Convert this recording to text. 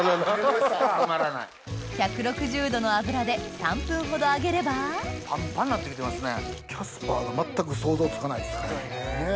１６０度の油で３分ほど揚げればキャスパーが全く想像つかないですよね。